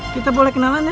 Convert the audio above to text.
kita boleh kenalan ya